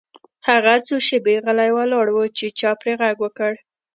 هغه څو شیبې غلی ولاړ و چې چا پرې غږ وکړ